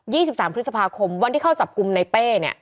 สิบสามพฤษภาคมวันที่เข้าจับกลุ่มในเป้เนี่ย